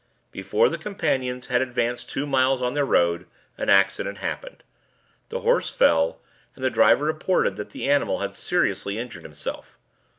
Before the travelers had advanced two miles on their road, an accident happened. The horse fell, and the driver reported that the animal had seriously injured himself.